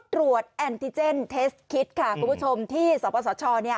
ตรวจแอนติเจนเทสต์คิดค่ะคุณผู้ชมที่สชเนี้ย